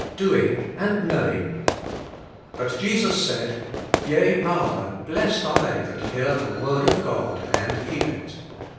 IX DOING AND KNOWING " But Jesus said, * Yea rather, blessed are they that hear the word of God, and keep it.'